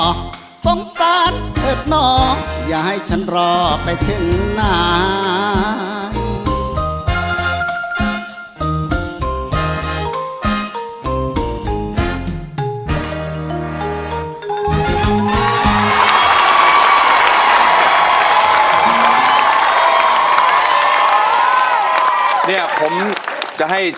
หรือรังเกียจฉันนั้นมันดำม่อต่อ